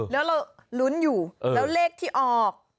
แล้วเราลุ้นอยู่แล้วเลขที่ออก